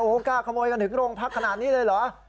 โอ้โหกล้าขโมยกันถึงโรงพักขนาดนี้เลยเหรอ